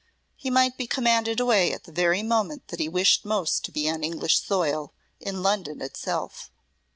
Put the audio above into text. He might be commanded away at the very moment that he wished most to be on English soil, in London itself.